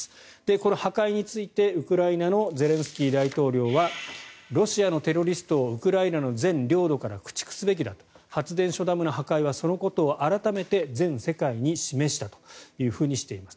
これ、破壊についてウクライナのゼレンスキー大統領はロシアのテロリストをウクライナの全領土から駆逐すべきだ発電所ダムの破壊はそのことを改めて全世界に示したとしています。